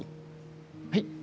はい？